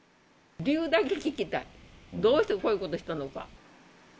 理由だけ聞きたい、どうしてこういうことしたのか。